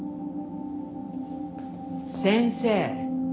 先生。